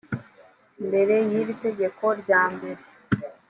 mbere y iri tegeko ryambere